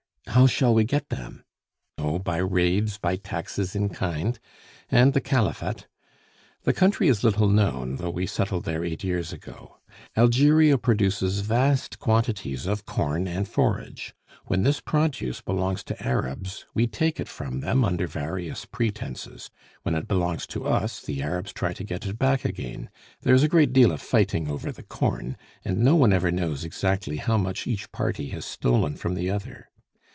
"How shall we get them?" "Oh, by raids, by taxes in kind, and the Khaliphat. The country is little known, though we settled there eight years ago; Algeria produces vast quantities of corn and forage. When this produce belongs to Arabs, we take it from them under various pretences; when it belongs to us, the Arabs try to get it back again. There is a great deal of fighting over the corn, and no one ever knows exactly how much each party has stolen from the other.